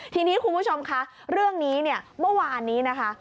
ทีนี้คุณผู้ชมคะเรื่องนี้เนี่ยเมื่อวานนี้นะคะ